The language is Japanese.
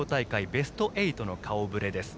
ベスト８の顔ぶれです。